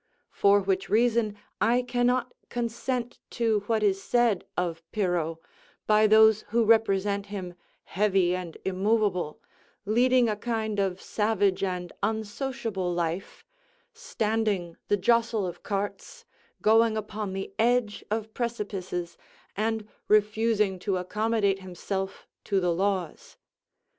For which reason I cannot consent to what is said of Pyrrho, by those who represent him heavy and immovable, leading a kind of savage and unsociable life, standing the jostle of carts, going upon the edge of precipices, and refusing to accommodate himself to the laws.